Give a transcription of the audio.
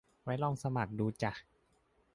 ก็ลองสมัครดูจ่ะ